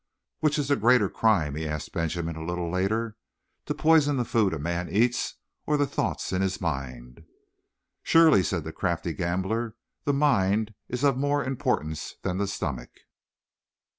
"Which is the greater crime?" he asked Benjamin a little later. "To poison the food a man eats or the thoughts in his mind?" "Surely," said the crafty gambler, "the mind is of more importance than the stomach."